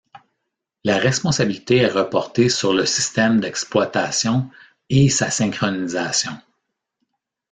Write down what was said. La responsabilité est reportée sur le système d'exploitation et sa synchronisation.